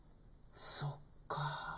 そっか。